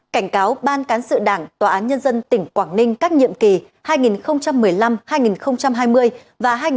cảnh cáo ban cán sự đảng tòa án nhân dân tỉnh quảng ninh các nhiệm kỳ hai nghìn một mươi năm hai nghìn hai mươi và hai nghìn một mươi hai nghìn hai mươi một